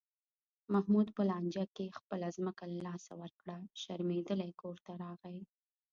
محمود په لانجه کې خپله ځمکه له لاسه ورکړه، شرمېدلی کورته راغی.